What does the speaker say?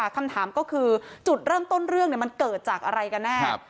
คำถามก็คือจุดเริ่มต้นเรื่องมันเกิดจากอะไรกันแน่